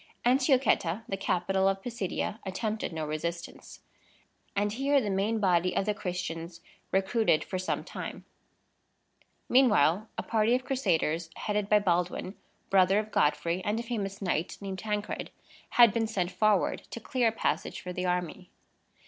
Antiochetta, the capital of Pisidia, attempted no resistance; and here the main body of the Christians recruited for some time. Meanwhile, a party of Crusaders, headed by Baldwin, brother of Godfrey, and a famous knight named Tancred, had been sent forward to clear a passage for the army.